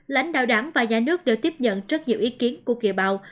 lãnh đạo đảng và nhà nước đều tiếp nhận rất nhiều ý kiến của kiều bào